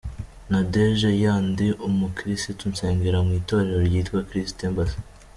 Nadege: Yeah, ndi umukirisitu, nsengera mu itorero ryitwa Christ Embassy.